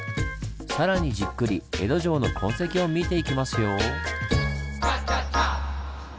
更にじっくり江戸城の痕跡を見ていきますよ。